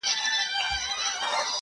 • میاشته کېږي بې هویته، بې فرهنګ یم.